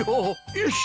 よし！